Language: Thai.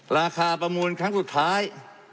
ประมูลครั้งสุดท้าย